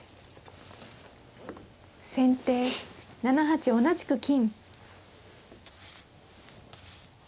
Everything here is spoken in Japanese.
先手７八同じく金。